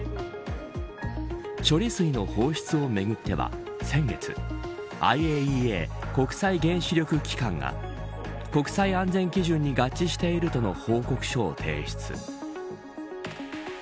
処理水の放出をめぐっては、先月ＩＡＥＡ＝国際原子力機関が国際安全基準に合致しているとの報告書を提出。